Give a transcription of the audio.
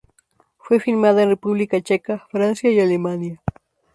Fue filmada en República Checa, Francia, y Alemania.